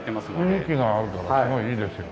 雰囲気があるのがすごいいいですよね。